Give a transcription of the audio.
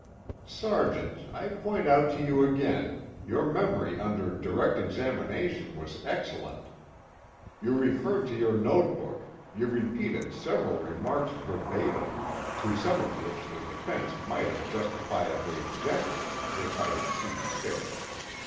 "Sergeant, I point out to you again, your memory under direct examination was excellent. You referred to your notebook, you repeated several remarks verbatim to some of which the defense might have justifiably objected, if I had seen fit.